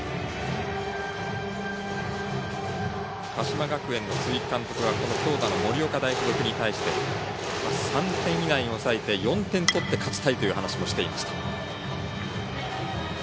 鹿島学園の、鈴木監督は強打の盛岡大付属に対して３点以内に抑えて４点ぐらいで勝ちたいという話もしていました。